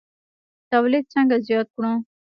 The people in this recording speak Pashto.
تولید څنګه زیات کړو؟